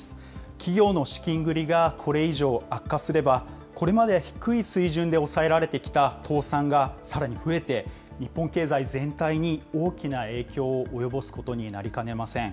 企業の資金繰りがこれ以上悪化すれば、これまで低い水準で抑えられてきた倒産がさらに増えて、日本経済全体に大きな影響を及ぼすことになりかねません。